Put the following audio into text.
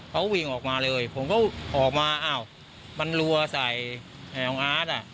เขาวิ่งออกมาเลยผมก็ออกมาอ้าวมันรัวใส่ของอาร์ตอ่ะ